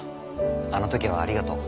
あのときはありがとう。